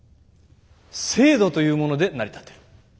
制度というもので成り立ってる。